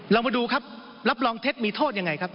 เรามาดูครับรับรองเท็จมีโทษยังไงครับ